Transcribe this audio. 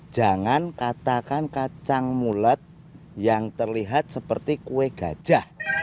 jangan katakan kacang mulet yang terlihat seperti kue gajah